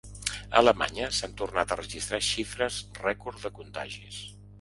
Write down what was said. A Alemanya, s’han tornat a registrar xifres rècord de contagis.